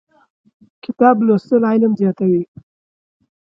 کتاب لوستل علم زیاتوي.